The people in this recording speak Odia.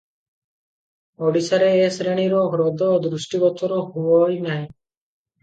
ଓଡ଼ିଶାରେ ଏ ଶ୍ରେଣୀର ହ୍ରଦ ଦୃଷ୍ଟିଗୋଚର ହୁଅଇ ନାହିଁ ।